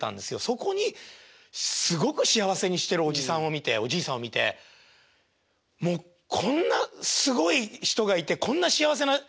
そこにすごく幸せにしてるおじさんを見ておじいさんを見てもうこんなすごい人がいてこんな幸せな商売があるんだ。